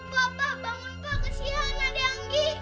pa pa bangun pa kesian adek anggi